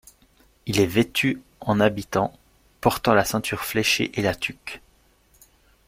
Il est vêtu en habitant, portant la ceinture fléchée et la tuque.